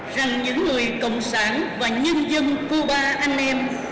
rằng những người cộng sản và nhân dân cuba anh em